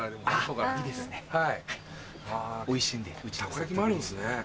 たこ焼きもあるんですね。